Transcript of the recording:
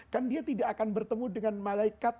kan dia tidak akan bertemu dengan malaikat